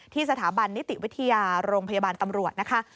สถาบันนิติวิทยาโรงพยาบาลตำรวจนะคะ